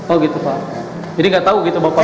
oh gitu pak jadi tidak tahu gitu bapak mulya